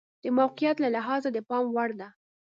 د موقعیت له لحاظه د پام وړ ده.